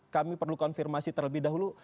kami perlu konfirmasi terlebih dahulu